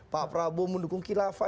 pak prabowo mendukung kilafah